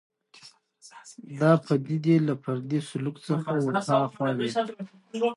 دا پدیدې له فردي سلوک څخه ورهاخوا وي